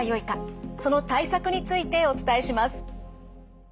その対策についてお伝えします。